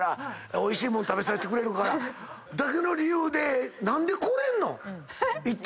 おいしいもん食べさせてくれるからだけの理由で何で来れんの⁉１対１で。